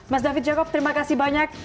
mas david jacob terima kasih banyak